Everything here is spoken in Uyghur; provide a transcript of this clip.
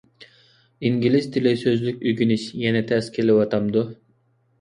ئىنگلىز تىلى سۆزلۈك ئۆگىنىش يەنە تەس كېلىۋاتامدۇ؟